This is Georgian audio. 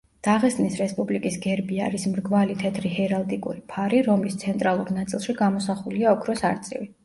დაღესტნის რესპუბლიკის გერბი არის მრგვალი თეთრი ჰერალდიკური ფარი, რომლის ცენტრალურ ნაწილში გამოსახულია ოქროს არწივი.